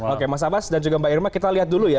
oke mas abbas dan juga mbak irma kita lihat dulu ya